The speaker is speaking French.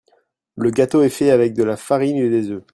Le gâteau est fait avec de la farine et des œufs.